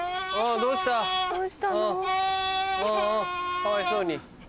かわいそうに。